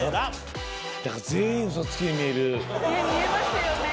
ね見えますよね。